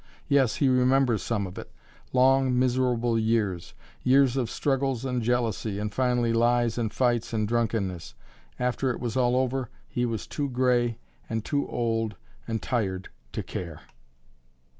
Yes, he remembers some of it long, miserable years years of struggles and jealousy, and finally lies and fights and drunkenness; after it was all over, he was too gray and old and tired to care!